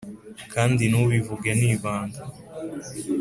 Kandi ntubivuge ni ibanga